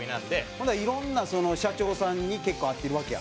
ほんならいろんな社長さんに結構会ってるわけや？